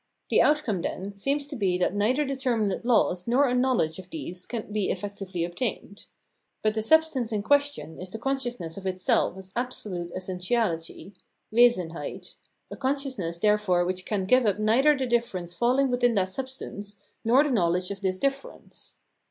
The outcome, then, seems to be that neither determinate laws nor a knowledge of these can be effectively obtained. But the substance in question is the consciousness of itself as absolute essentiality {Wesenheit), a consciousness therefore which can give up neither the difference falling within that substance, nor the knowledge of this difference.